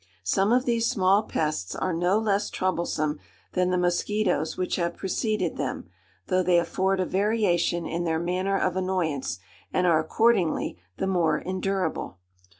Some of these small pests are no less troublesome than the mosquitoes which have preceded them, though they afford a variation in their manner of annoyance, and are accordingly the more endurable.